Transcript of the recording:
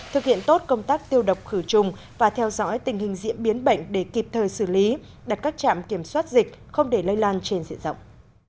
thực hiện tốt công tác tiêu độc khử trùng và theo dõi tình hình diễn biến bệnh để kịp thời xử lý đặt các trạm kiểm soát dịch không để lây lan trên diện rộng